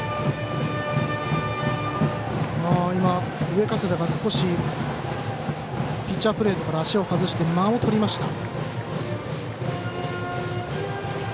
上加世田が、少しピッチャープレートから足を外して間をとりました。